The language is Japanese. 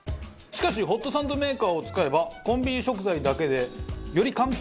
しかしホットサンドメーカーを使えばコンビニ食材だけでより簡単に作る事ができます。